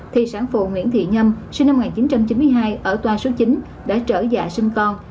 thì sản phụ nguyễn thị nhâm sinh năm một nghìn chín trăm chín mươi hai ở toa số chín đã trở dạng sinh con